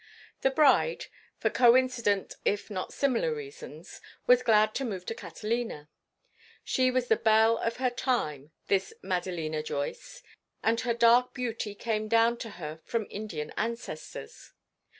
The bride, for coincident if not similar reasons, was glad to move to Catalina. She was the belle of her time, this Madelina Joyce, and her dark beauty came down to her from Indian ancestors.